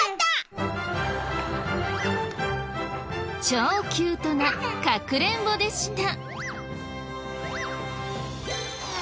超キュートなかくれんぼでした。